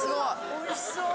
・おいしそう・